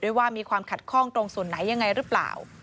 ว่ามีความขัดข้องตรงส่วนไหนยังไงหรือเปล่า